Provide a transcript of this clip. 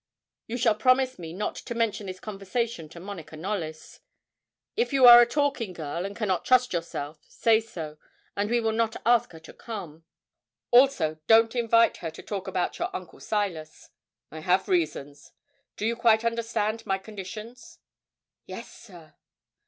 You shall promise me not to mention this conversation to Monica Knollys. If you are a talking girl, and cannot trust yourself, say so, and we will not ask her to come. Also, don't invite her to talk about your uncle Silas I have reasons. Do you quite understand my conditions?' 'Yes, sir.'